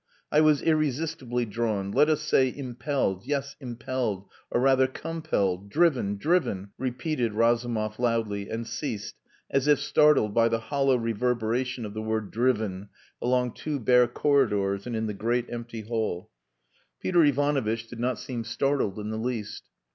I was irresistibly drawn let us say impelled, yes, impelled; or, rather, compelled, driven driven," repented Razumov loudly, and ceased, as if startled by the hollow reverberation of the word "driven" along two bare corridors and in the great empty hall. Peter Ivanovitch did not seem startled in the least.